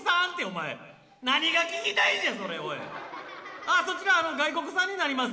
ああそちらは外国産になります